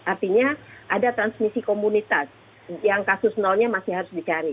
artinya ada transmisi komunitas yang kasus nolnya masih harus dicari